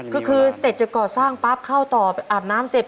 ก็คือเสร็จจะก่อสร้างปั๊บเข้าต่ออาบน้ำเสร็จ